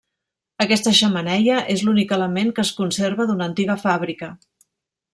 Aquesta xemeneia és l'únic element que es conserva d'una antiga fàbrica.